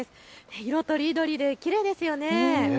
色とりどりできれいですよね。